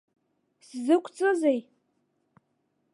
Сзықәҵызеи?